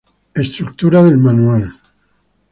Estructura del Manual